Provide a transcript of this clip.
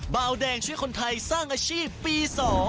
บาวแดงช่วยคนไทยสร้างอาชีพปี๒